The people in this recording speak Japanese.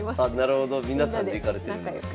なるほど皆さんで行かれてるんですね。